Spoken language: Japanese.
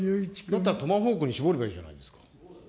だったらトマホークに絞ればいいじゃないですか。